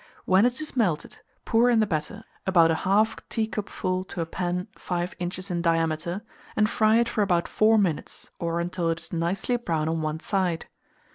When it is melted, pour in the batter, about 1/2 teacupful to a pan 5 inches in diameter, and fry it for about 4 minutes, or until it is nicely brown on one side.